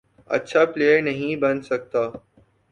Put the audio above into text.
اچھا پلئیر نہیں بن سکتا،